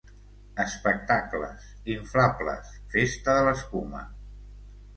Espectacles, inflables, festa de l'escuma.